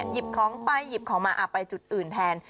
หยิบของไปหยิบของมาไปจุดอื่นแทน